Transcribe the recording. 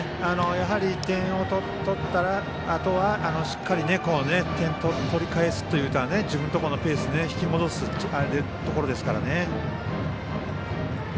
やはり、点を取ったあとはしっかり点を取り返すというところが自分のところにペースに引き戻すというところですからね。